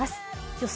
予想